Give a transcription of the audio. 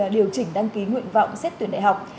điều chỉnh đăng ký nguyện vọng xét tuyển đại học